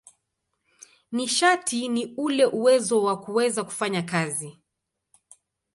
Nishati ni ule uwezo wa kuweza kufanya kazi.